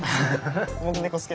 僕猫好き。